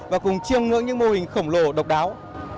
và cùng chiêm ngưỡng những mô hình khổng lồ độc đáo